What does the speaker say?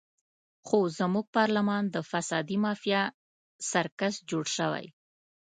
خو زموږ پارلمان د فسادي مافیا سرکس جوړ شوی.